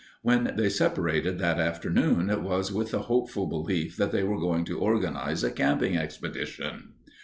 When they separated that afternoon it was with the hopeful belief that they were going to organize a camping expedition.